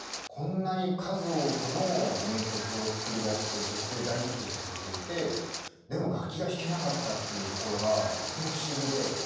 こんなに数多くの名曲を作り出してそして大ヒットさせていてでも楽器が弾けなかったっていうところがとっても不思議で。